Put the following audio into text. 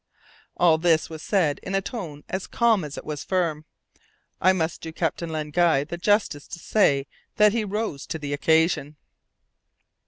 All this was said in a tone as calm as it was firm. I must do Captain Len Guy the justice to say that he rose to the occasion.